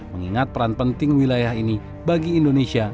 mengingat peran penting wilayah ini bagi indonesia